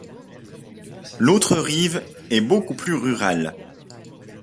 L'autre rive est beaucoup plus rurale.